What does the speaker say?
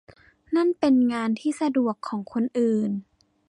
นั่นเป็นงานที่สะดวกของคนอื่น